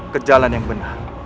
ke jalan yang benar